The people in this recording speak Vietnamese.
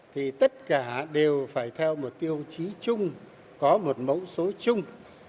thì tất cả đều phải theo một tiêu chí chung có một mẫu số chung